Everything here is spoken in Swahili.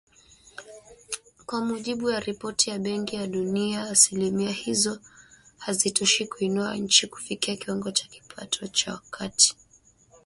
Kwa mujibu wa ripoti ya Benki ya Dunia, asilimia hizo hazitoshi kuiinua nchi kufikia kiwango cha kipato cha kati